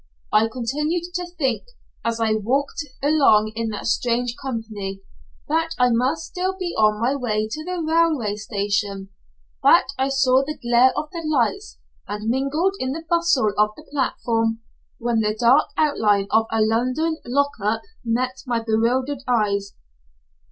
I continued to think, as I walked along in that strange company, that I must still be on my way to the railway station; that I saw the glare of the lights, and mingled in the bustle of the platform, when the dark outline of a London lock up met my bewildered eyes.